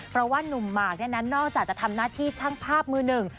เพราะว่านุ่มหมากเนี่ยนะนอกจากจะทำหน้าที่ช่างภาพมือหนึ่ง